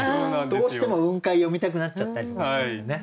どうしても「雲海」詠みたくなっちゃったりとかしながらね。